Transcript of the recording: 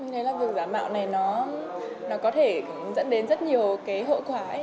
như thế là việc giả mạo này nó có thể dẫn đến rất nhiều hậu quả